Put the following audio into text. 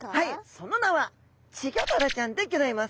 その名はチギョダラちゃんでギョざいます。